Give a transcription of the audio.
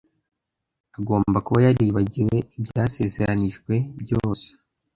Agomba kuba yaribagiwe ibyasezeranijwe byose.